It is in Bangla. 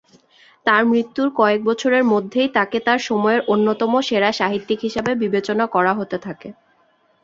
তার মৃত্যুর কয়েক বছরের মধ্যেই তাকে তার সময়ের অন্যতম সেরা সাহিত্যিক হিসেবে বিবেচনা করা হতে থাকে।